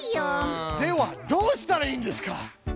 ではどうしたらいいんですか？